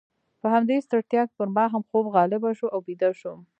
په همدې ستړیا کې پر ما هم خوب غالبه شو او بیده شوم.